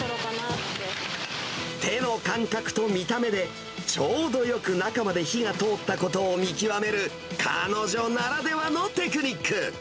手の感覚と見た目で、ちょうどよく中まで火が通ったことを見極める、彼女ならではのテクニック。